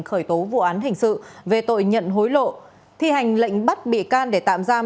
khởi tố vụ án hình sự về tội nhận hối lộ thi hành lệnh bắt bị can để tạm giam